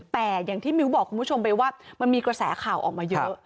แต่อย่างที่มิ้วบอกคุณผู้ชมไปว่ามันมีกระแสข่าวออกมาเยอะ